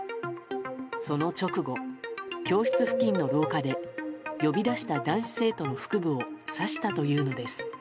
その直後、教室付近の廊下で呼び出した男子生徒の腹部を刺したというのです。